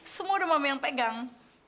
semua udah mami yang pegang